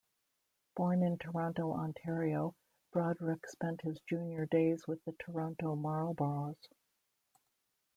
Born in Toronto, Ontario, Broderick spent his junior days with the Toronto Marlboros.